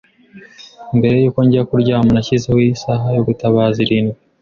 Mbere yuko njya kuryama, nashyizeho isaha yo gutabaza irindwi.